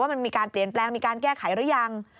มันมีการเปลี่ยนแปลงมีการแก้ไขหรือยัง